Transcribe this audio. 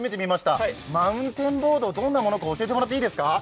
このマウンテンボード、どんなものか教えてもらってもいいですか？